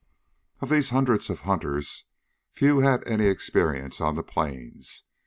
Of these hundreds of hunters, few had any experience on the Plains.